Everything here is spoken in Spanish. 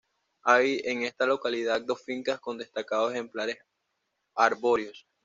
Hay en esta localidad dos fincas con destacados ejemplares arbóreos.